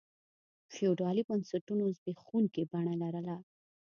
فیوډالي بنسټونو زبېښونکي بڼه لرله.